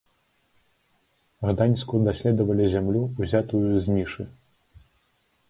Гданьску даследавалі зямлю, узятую з нішы.